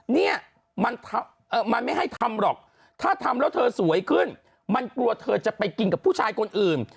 เนี่ยมันไม่ให้ทำหรอกถ้าทำแล้วเธอสวยขึ้นมันกลัวเธอจะไปกินกับผู้ชายคนอื่น